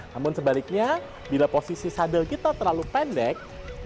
namun sebaliknya bila posisi saddel kita terlalu pendek